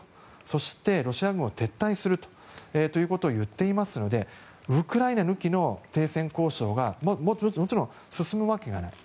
そしてロシア軍を撤退させるということを言っていますのでウクライナ抜きの停戦交渉がもちろん進むわけがない。